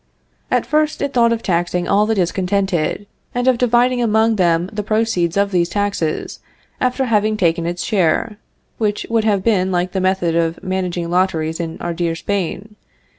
At first it thought of taxing all the discontented, and of dividing among them the proceeds of these taxes after having taken its share; which would have been like the method of managing lotteries in our dear Spain.